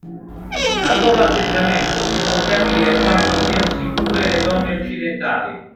Dal loro atteggiamento si può capire quanto siano sicure le donne occidentali.